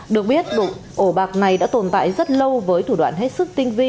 được biết ổ bạc này đã tồn tại rất lâu với thủ đoạn hết sức tinh vi